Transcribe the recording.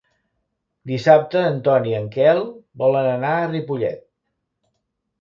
Dissabte en Ton i en Quel volen anar a Ripollet.